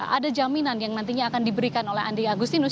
ada jaminan yang nantinya akan diberikan oleh andi agustinus